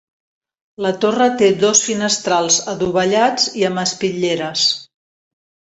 La torre té dos finestrals adovellats i amb espitlleres.